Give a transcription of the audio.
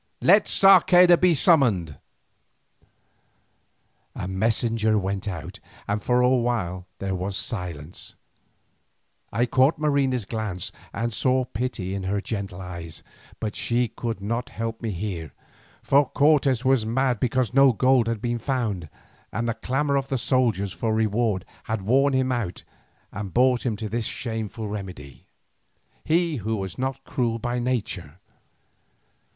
Let Sarceda be summoned." A messenger went out, and for a while there was silence. I caught Marina's glance and saw pity in her gentle eyes. But she could not help me here, for Cortes was mad because no gold had been found, and the clamour of the soldiers for reward had worn him out and brought him to this shameful remedy, he who was not cruel by nature.